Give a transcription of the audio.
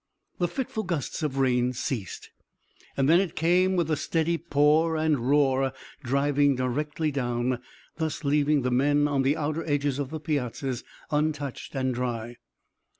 The fitful gusts of rain ceased, and then it came with a steady pour and roar, driving directly down, thus leaving the men on the outer edges of the piazzas untouched and dry.